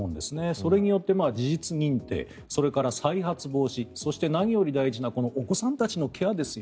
それによって事実認定それから再発防止そして何より大事なお子さんたちのケアですよ